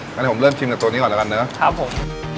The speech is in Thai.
งั้นเดี๋ยวผมเริ่มชิมกับตัวนี้ก่อนแล้วกันนะครับผม